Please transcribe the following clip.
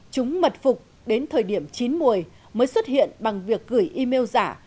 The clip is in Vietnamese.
chúng mật phục đến thời điểm chín một mươi mới xuất hiện bằng việc gửi email giả